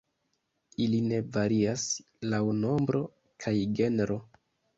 Ili ne varias laŭ nombro kaj genro.